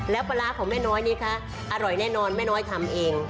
แล้วปลาร้าของแม่น้อยนี้คะอร่อยแน่นอนแม่น้อยทำเอง